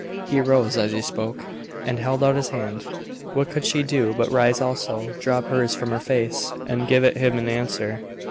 He rose as he spoke, and held out his hand. What could she do but rise also, drop hers from her face, and give it him in answer?